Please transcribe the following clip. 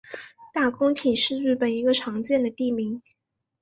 大工町是一个日本的常见地名。